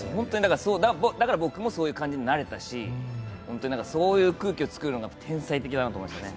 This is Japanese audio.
だから僕もそういう感じになれたし本当にそういう空気を作るのが、天才的だなと思いましたね。